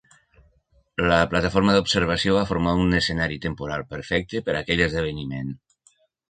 La plataforma d"observació va formar un escenari temporal perfecte per aquell esdeveniment.